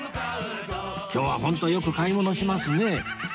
今日はホントよく買い物しますね